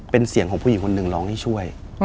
เป็นเสียงของผู้หญิงคนหนึ่งร้องให้ช่วย